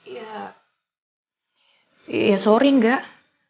ya ya sorry enggak